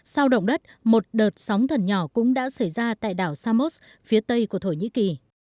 sau động đất một đợt sóng thần nhỏ cũng đã xảy ra tại đảo samos phía tây của thổ nhĩ kỳ